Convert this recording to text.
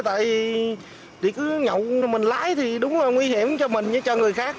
tại chỉ cứ nhậu mình lái thì đúng là nguy hiểm cho mình với cho người khác